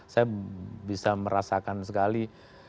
saya bisa merasakan sekali